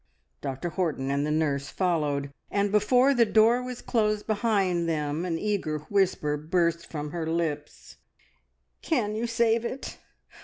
Dr Horton and the nurse followed, and before the door was closed behind them an eager whisper burst from her lips "Can you save it?